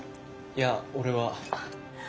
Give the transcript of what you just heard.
いや俺は。